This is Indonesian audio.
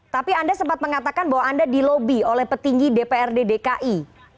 tapi anda sempat mengatakan bahwa anda dilobi oleh petinggi dprd dki